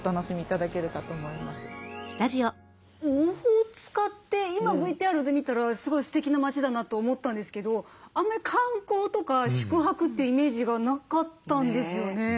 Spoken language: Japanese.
大塚って今ＶＴＲで見たらすごいすてきな街だなと思ったんですけどあんまり観光とか宿泊というイメージがなかったんですよね。